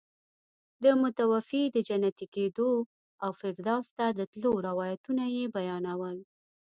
د متوفي د جنتي کېدو او فردوس ته د تلو روایتونه یې بیانول.